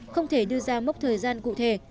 không thể đưa ra mốc thời gian cụ thể